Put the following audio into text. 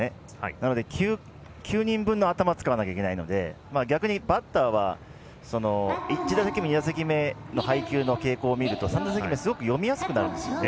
なので９人分の頭を使わなきゃいけないので逆にバッターは１打席目、２打席目の配球の傾向を見ると、３打席目読みやすくなるんですよね。